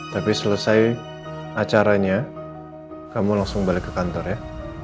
tapi selesai acaranya kamu langsung balik ke kantor ya